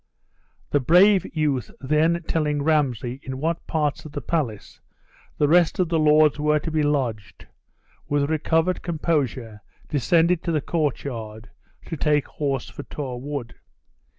The brave youth then telling Ramsay in what parts of the palace the rest of the lords were to be lodged, with recovered composure descended to the courtyard, to take horse for Tor Wood.